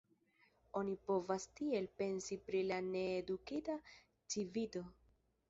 Oni povas tiel pensi pri la needukita civito.